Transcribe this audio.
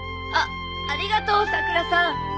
あっありがとうさくらさん。